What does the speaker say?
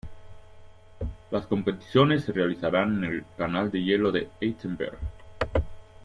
Las competiciones se realizarán en el Canal de Hielo de Altenberg.